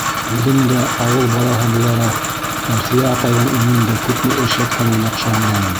Үҙем дә ауыл балаһы булараҡ, Әлфиә апайҙың иңендә күпме эш ятҡанын яҡшы аңлайым.